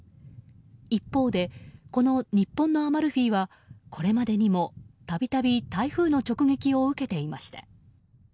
一方でこの日本のアマルフィはこれまでにも度々台風の直撃を受けていました。